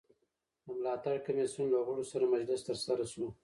د ملاتړ کمېسیون له غړو سره مجلس ترسره سو.